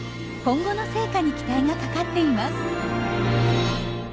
今後の成果に期待がかかっています。